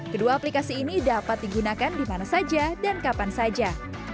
kedua aplikasi ini dapat digunakan di mana saja dan kapan saja